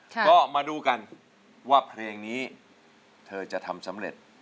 ก็มาดูกันว่าเพลงนี้เธอจะทำสำเร็จ